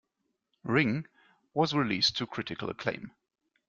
"Ring" was released to critical acclaim.